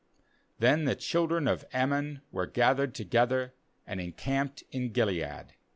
17Then the children of Ammon were gathered together, and encamped in Gilead.